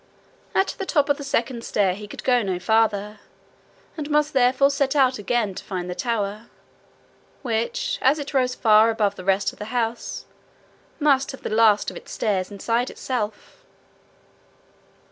At the top of the second stair he could go no farther, and must therefore set out again to find the tower, which, as it rose far above the rest of the house, must have the last of its stairs inside itself.